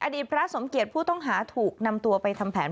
พระสมเกียจผู้ต้องหาถูกนำตัวไปทำแผน